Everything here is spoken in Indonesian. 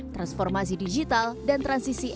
transformasi digital dan transisi